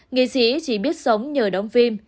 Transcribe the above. nghệ sĩ chỉ biết sống nhờ đóng phim